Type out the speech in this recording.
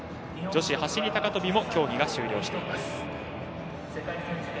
女子走り高跳びも競技が終了しています。